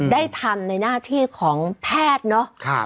ได้ทำในหน้าที่ของแพทย์เนาะ